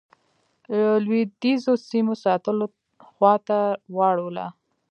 لوېدیځو سیمو ساتلو خواته واړوله.